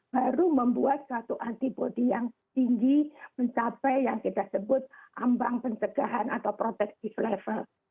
baru membuat satu antibody yang tinggi mencapai yang kita sebut ambang pencegahan atau protective level